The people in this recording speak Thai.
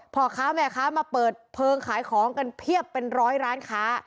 พ่อค้าแม่ค้ามาเปิดเพลิงขายของกันเพียบเป็นร้อยร้านค้า